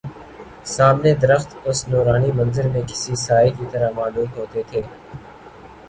سامنے درخت اس نورانی منظر میں کسی سائے کی طرح معلوم ہوتے تھے